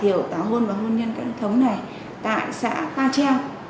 hiểu tảo hôn và hôn nhân các hướng thống này tại xã pha treo